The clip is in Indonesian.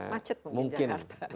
macet mungkin jakarta